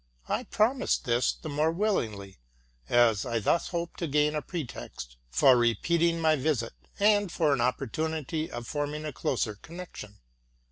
I promised this the more willingly, as I thus hoped to gain a pretext for repeating my visit, and for an opportunity of forming a closer connection.